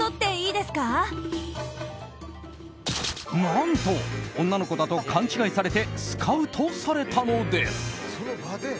何と、女の子だと勘違いされてスカウトされたのです。